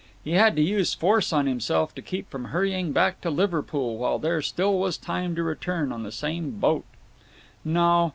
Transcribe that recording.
He had to use force on himself to keep from hurrying back to Liverpool while there still was time to return on the same boat. No!